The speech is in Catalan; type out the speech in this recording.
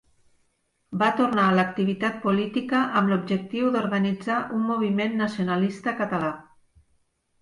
Va tornar a l'activitat política amb l'objectiu d'organitzar un moviment nacionalista català.